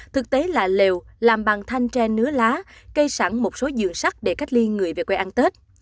thực tế là lều làm bằng thanh tre nứa lá cây sẵn một số giường sắt để cách ly người về quê ăn tết